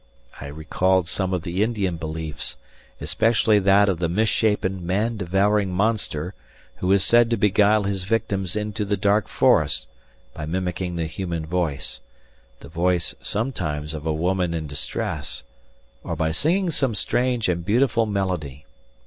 I recalled some of the Indian beliefs, especially that of the mis shapen, man devouring monster who is said to beguile his victims into the dark forest by mimicking the human voice the voice sometimes of a woman in distress or by singing some strange and beautiful melody.